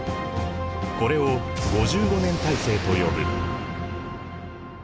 これを５５年体制と呼ぶ。